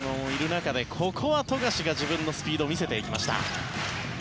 その比江島もいる中でここは富樫が自分のスピードを見せていきました。